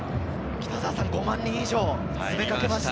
５万人以上が詰めかけました。